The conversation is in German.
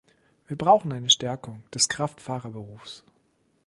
Wir brauchen eine Stärkung des Kraftfahrerberufs.